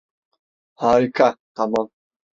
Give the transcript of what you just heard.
Harika, tamam.